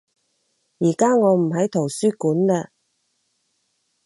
而家我唔喺圖書館嘞